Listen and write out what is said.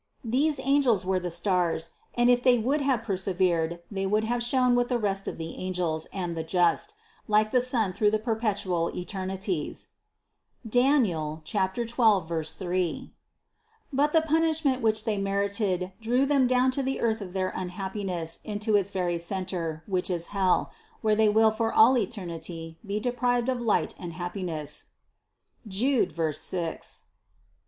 These angels were the stars and if they would have persevered, they would have shone with the rest of the angels and the just, like the sun through the per petual eternities (Dan. 12, 3). But the punishment which they merited drew them down to the earth of their unhappiness into its very centre, which is hell, where they will for all eternity be deprived of light and happiness (Jude 6). 105.